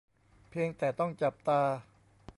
เพียงแต่ต้องจับตา